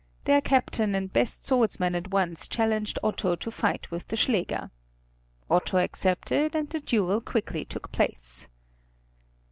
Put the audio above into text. Their captain and best swordsman at once challenged Otto to fight with the schläger. Otto accepted, and the duel quickly took place.